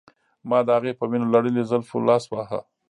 ما د هغې په وینو لړلو زلفو لاس واهه